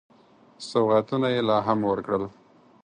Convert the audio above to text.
سوغاتونه یې لا هم ورکړل.